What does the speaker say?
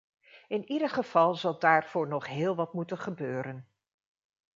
In ieder geval zal daarvoor nog heel wat moeten gebeuren.